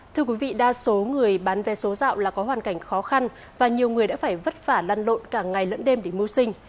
thưa quý vị đa số người bán vé số dạo là có hoàn cảnh khó khăn và nhiều người đã phải vất vả lăn lộn cả ngày lẫn đêm để mưu sinh